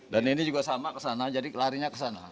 dan ini juga sama kesana jadi larinya kesana